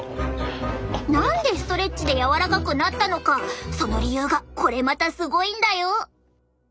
何でストレッチで柔らかくなったのかその理由がこれまたすごいんだよ！